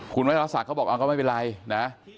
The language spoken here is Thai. คุณวัชรศักดิ์เขาบอกก็ไม่เป็นไรนะ